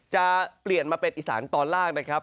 จะเปลี่ยนมาเป็นอิสหานะครับ